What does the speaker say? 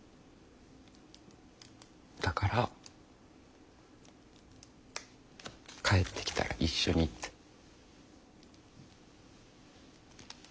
だから帰ってきたら一緒にって。